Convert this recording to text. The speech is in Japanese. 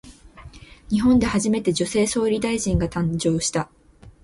日本で初めて、女性総理大臣が誕生した。